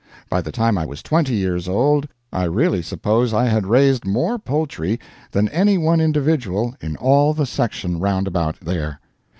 By the time I was twenty years old, I really suppose I had raised more poultry than any one individual in all the section round about there.